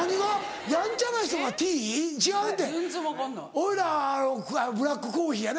俺らブラックコーヒーやね